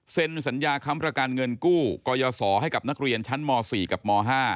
สัญญาค้ำประกันเงินกู้กยศให้กับนักเรียนชั้นม๔กับม๕